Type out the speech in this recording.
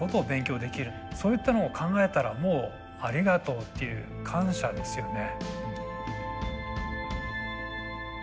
そういったのを考えたらもうありがとうっていう感謝ですよね。